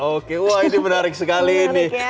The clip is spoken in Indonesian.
oke wah ini menarik sekali ini